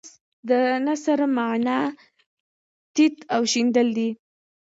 د نثر معنی تیت او شیندل دي.